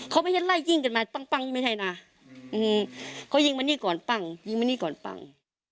เขาไม่ใช่ไล่ยิงกันมาปั้งไม่ใช่นะเขายิงมานี่ก่อนปั้งยิงมานี่ก่อนปั้ง